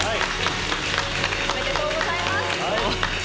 おめでとうございます。